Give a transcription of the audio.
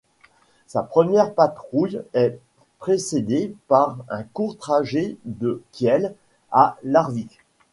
Sa première patrouille est précédée par un court trajet de Kiel à Larvik.